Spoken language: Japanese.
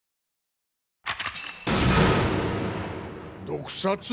毒殺？